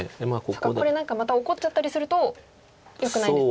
これ何かまた怒っちゃったりするとよくないんですね。